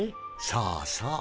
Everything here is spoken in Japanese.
そうそう。